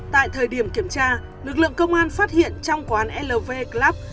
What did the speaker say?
tại thời điểm kiểm tra lực lượng công an phát hiện trong quán lv club